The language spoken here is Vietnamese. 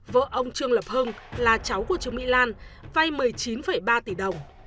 vợ ông trương lập hưng là cháu của trương mỹ lan vay một mươi chín ba tỷ đồng